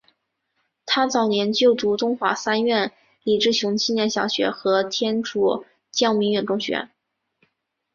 他早年就读东华三院李志雄纪念小学和天主教鸣远中学。